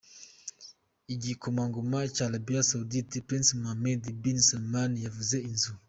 Igikomangoma cya Arabia Saudite ,Prince Mohammed Bin Salman cyaguze inzu.